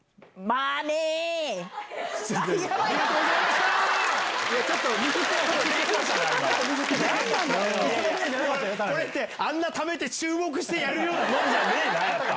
これって、あんなためて注目してやるようなものじゃねえな。